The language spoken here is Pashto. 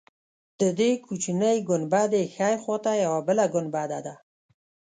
د دې کوچنۍ ګنبدې ښی خوا ته یوه بله ګنبده ده.